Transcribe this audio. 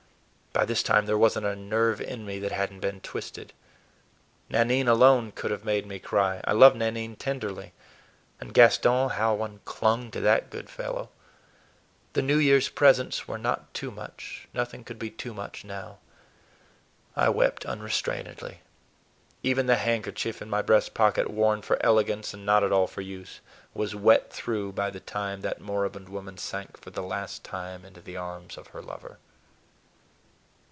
By this time there was n't a nerve in me that had n't been twisted. Nanine alone could have made me cry. I loved Nanine tenderly; and Gaston, how one clung to that good fellow! The New Year's presents were not too much; nothing could be too much now. I wept unrestrainedly. Even the handkerchief in my breast pocket, worn for elegance and not at all for use, was wet through by the time that moribund woman sank for the last time into the arms of her lover.